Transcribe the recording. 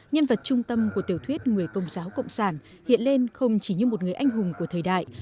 nhân vật trung tâm của tiểu thuyết người công giáo cộng sản hiện lên không chỉ như một người anh hùng của thời đại